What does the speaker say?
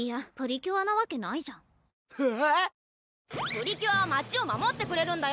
プリキュアは街を守ってくれるんだよ！